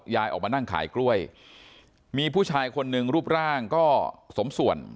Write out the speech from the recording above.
ยายออกมานั่งขายกล้วยมีผู้ชายคนหนึ่งรูปร่างก็สมส่วน